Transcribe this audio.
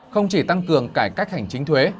không chỉ tăng cường cải cách hành chính thuế